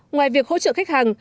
ngoài việc hỗ trợ khách hàng